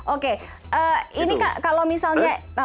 oke ini kalau misalnya